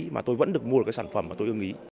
mà tôi vẫn được mua một cái sản phẩm mà tôi ưng ý